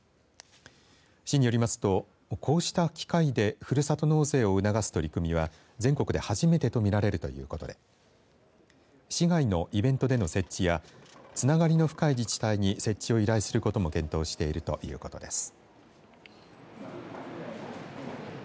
市によりますとこうした機械でふるさと納税を促す取り組みは全国で初めてと見られるということで市外のイベントでの設置やつながりの深い自治体に設置を依頼することも検討しているということです。